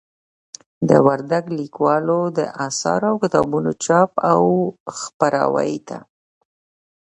د وردگ ليكوالو د آثارو او كتابونو چاپ او خپراوي ته